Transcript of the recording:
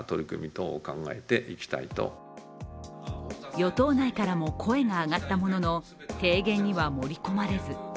与党内からも声が上がったものの、提言には盛り込まれず。